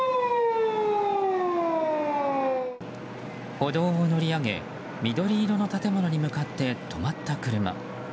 歩道を乗り上げ、緑色の建物に向かって止まった車。